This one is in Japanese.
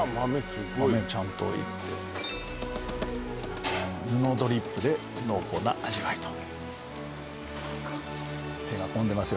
すっごい豆ちゃんと煎って布ドリップで濃厚な味わいと手が込んでますよ